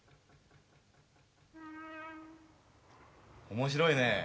面白いね。